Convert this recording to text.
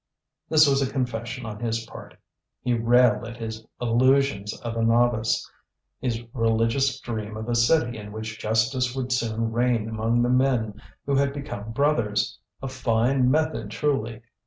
This was a confession on his part. He railed at his illusions of a novice, his religious dream of a city in which justice would soon reign among the men who had become brothers. A fine method truly!